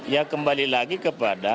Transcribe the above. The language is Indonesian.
ya kembali lagi kepada